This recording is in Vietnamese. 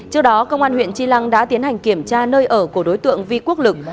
trước đó công an huyện tri lăng đã tiến hành kiểm tra nơi ở của đối tượng vi quốc lực